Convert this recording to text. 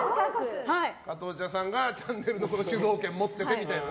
加藤茶さんがチャンネルの主導権持っててみたいな。